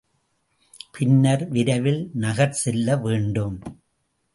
பின்னர், விரைவில் நகர் செல்ல வேண்டும்.